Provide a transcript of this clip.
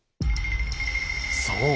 そう。